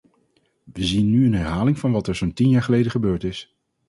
We zien nu een herhaling van wat er zo'n tien jaar geleden gebeurd is.